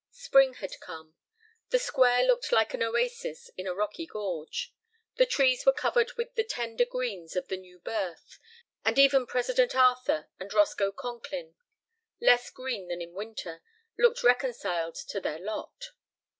Spring had come. The Square looked like an oasis in a rocky gorge. The trees were covered with the tender greens of the new birth, and even President Arthur and Roscoe Conkling, less green than in winter, looked reconciled to their lot.